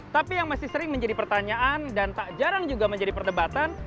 tapi yang masih sering menjadi pertanyaan dan tak jarang juga menjadi perdebatan